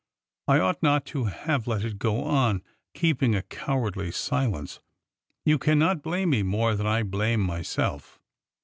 " I ought not to have let it go on, keep ing a cowardly silence. ... You cannot blame me more than I blame myself